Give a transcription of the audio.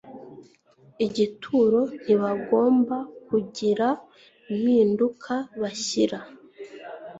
igituro ntibagomba kugira impinduka bashyira